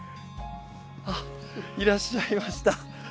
あっいらっしゃいました。